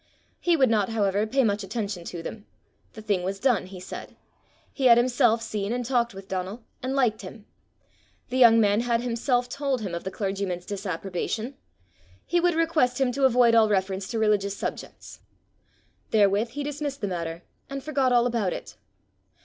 He would not, however, pay much attention to them. The thing was done, he said. He had himself seen and talked with Donal, and liked him! The young man had himself told him of the clergyman's disapprobation! He would request him to avoid all reference to religious subjects! Therewith he dismissed the matter, and forgot all about it.